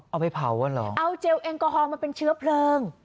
เอาไปเผาอ่ะเหรอเอาเจลแอลกอฮอลมาเป็นเชื้อเพลิง